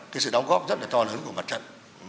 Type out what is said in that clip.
cái sự đóng góp rất là to lớn của mặt trận